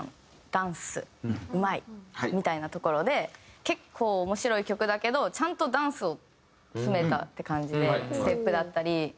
ダンスうまいみたいなところで結構面白い曲だけどちゃんとダンスを詰めたって感じでステップだったり。